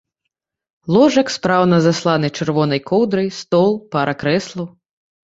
Ложак, спраўна засланы чырвонай коўдрай, стол, пара крэслаў.